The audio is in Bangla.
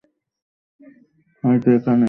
হয়ত এখানেই আমার খুশি মিলবে।